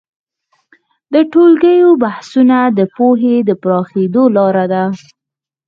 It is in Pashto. د ټولګیو بحثونه د پوهې د پراخېدو لاره ده.